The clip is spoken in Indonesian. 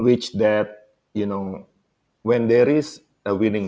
apabila ada produk yang menang